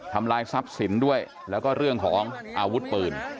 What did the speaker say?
ทำลายทรัพย์สินด้วยแล้วก็เรื่องของอาวุธปืน